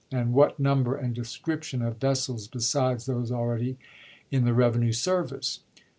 and what number and descrip tion of vessels besides those already in the revenue service?